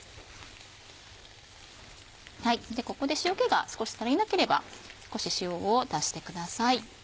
ここで塩気が少し足りなければ少し塩を足してください。